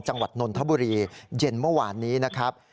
นนทบุรีเย็นเมื่อวานนี้นะครับ